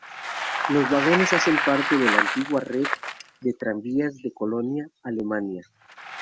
Los vagones hacen parte de la antigua red de tranvías de Colonia, Alemania.